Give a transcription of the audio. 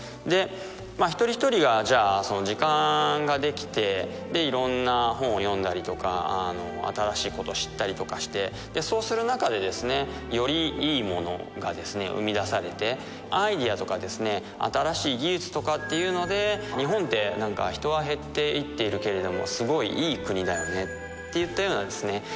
で一人一人がじゃあその時間ができてでいろんな本を読んだりとか新しいことを知ったりとかしてそうする中でですねよりいいものがですね生み出されてアイデアとかですね新しい技術とかっていうので日本って何か人は減っていっているけれどもすごいいい国だよねっていったようなですね